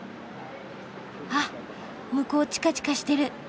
あっ向こうチカチカしてる。